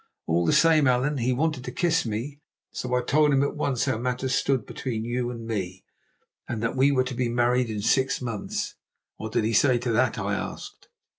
All the same, Allan, he wanted to kiss me. So I told him at once how matters stood between you and me, and that we were to be married in six months." "What did he say to that?" I asked.